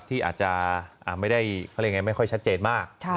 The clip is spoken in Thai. ที่อาจจะไม่ได้ไม่ค่อยชัดเจนมาก